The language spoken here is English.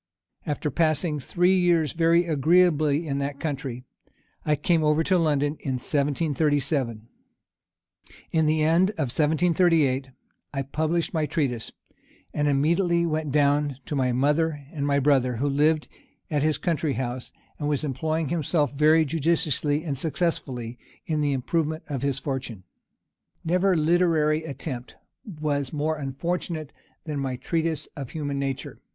After passing three years very agreeably in that country, I came over to London in 1737. In the end of 1738, I published my Treatise, and immediately went down to my mother and my brother, who lived at his country house, and was employing himself very judiciously and successfully in the improvement of his fortune. Never literary attempt was more unfortunate than my Treatise of Human Nature.